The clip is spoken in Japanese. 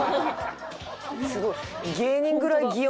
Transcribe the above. すごい。